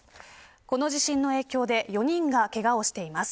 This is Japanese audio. この地震の影響で４人がけがをしています。